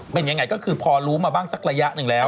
เป็นยังไงก็คือพอรู้มาบ้างสักระยะหนึ่งแล้ว